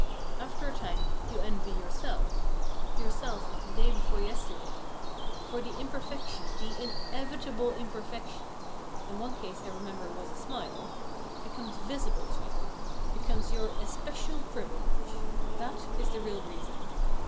After a time you envy yourself yourself of the day before yesterday. For the imperfection, the inevitable imperfection in one case I remember it was a smile becomes visible to you, becomes your especial privilege. That is the real reason.